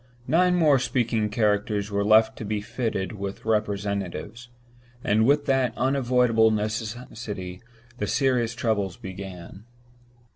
Nine more speaking characters were left to be fitted with representatives; and with that unavoidable necessity the serious troubles began.